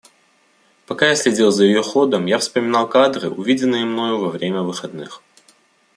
Пока я следил за ее ходом, я вспоминал кадры, увиденные мною во время выходных.